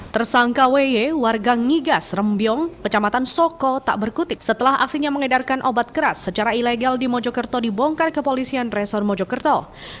tersangka wy warga ngigas rembiong kecamatan soko tak berkutik setelah aksinya mengedarkan obat keras secara ilegal di mojokerto dibongkar kepolisian resor mojokerto